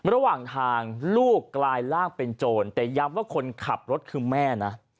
ระหว่างทางลูกกลายร่างเป็นโจรแต่ย้ำว่าคนขับรถคือแม่นะ